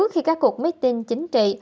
khi các cuộc meeting chính trị